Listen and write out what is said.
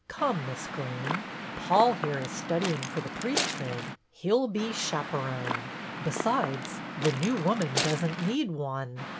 Come, Miss Greene. Paul, here, is studying for the priesthood ; he 'll be chap erone. Besides, The New Woman does n't need one."